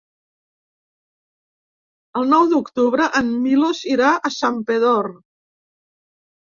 El nou d'octubre en Milos irà a Santpedor.